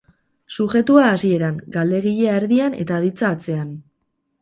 Sujetua hasieran, galdegilea erdian eta aditza atzean.